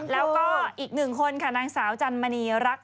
แล้วก็อีกหนึ่งคนค่ะนางสาวจันมณีรัก